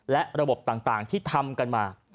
และระบบต่างที่ทำกันมา